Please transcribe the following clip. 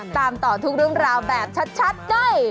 ตามต่อทุกเรื่องราวแบบชัดด้วย